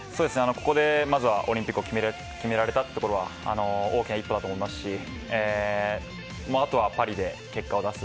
ここでまずはオリンピックを決められたというところは大きな一歩だと思いますしあとはパリで結果を出す。